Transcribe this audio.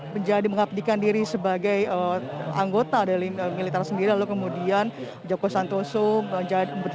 menjadi mengabdikan diri sebagai anggota dari militer sendiri lalu kemudian joko santoso menjadi